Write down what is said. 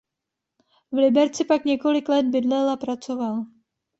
V Liberci pak několik let bydlel a pracoval.